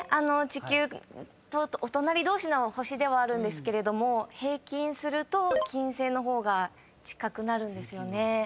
地球とお隣同士の星ではあるんですけれども平均すると「金星」の方が近くなるんですよね。